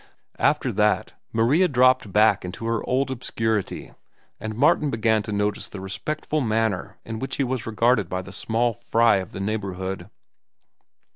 After that Maria dropped back into her old obscurity and Martin began to notice the respectful manner in which he was regarded by the small fry of the neighborhood.